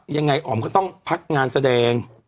อ๋อมก็ต้องพักงานแสดง